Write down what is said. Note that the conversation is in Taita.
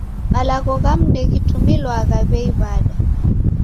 Malagho ghamu ndeghitumilwagha w'ei w'ada.